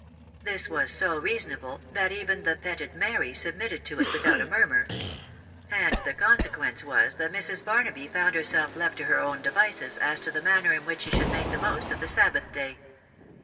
This was so reasonable, that even the petted Mary submitted to it without a murmur ; and th? constnumiee was, that Mrs. Barnaby found herself left to her own devices as to the manner in which she should make the most of the "Sabbath day.